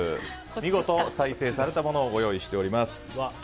見事、再生されたものをご用意しております。